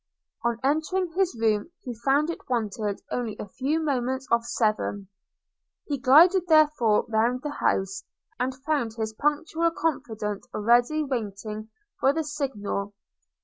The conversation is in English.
On entering his room he found it wanted only a few moments of seven. He glided therefore round the house, and found his punctual confident already waiting for the signal.